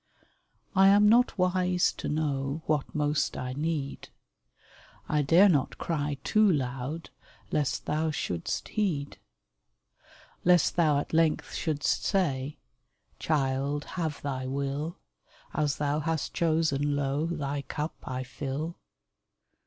I am not wise to know What most I need ; I dare not cry too loud Lest Thou shouldst heed : Lest Thou at length shouldst say, " Child, have thy will ; As thou hast chosen, lo ! Thy cup I fill